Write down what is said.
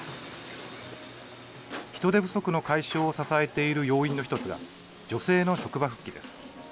人手不足の解消を支えている要因の１つが女性の職場復帰です。